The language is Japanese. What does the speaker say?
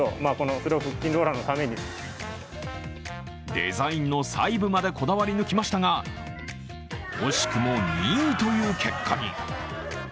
デザインの細部までこだわり抜きましたが惜しくも２位という結果に。